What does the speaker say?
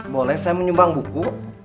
boleh saya menyumbang buku